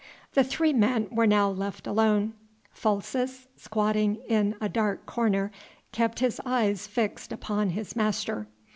The three men were now left alone. Folces, squatting in a dark corner, kept his eyes fixed upon his master.